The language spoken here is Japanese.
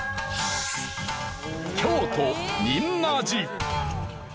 京都仁和寺。